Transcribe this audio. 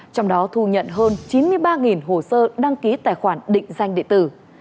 trong đó thu nhận hơn chín mươi ba hồ sơ đăng ký tài khoản định danh địa tử